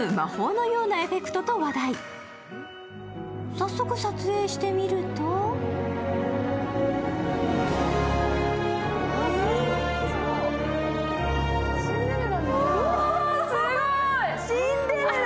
早速、撮影してみるとおお、すごい。